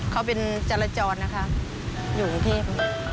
เขาเป็นจรจรนะคะอยู่กรุงเทพ